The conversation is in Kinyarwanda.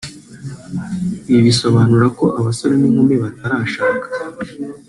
Ibi bisobanura ko abasore n’inkumi batarashaka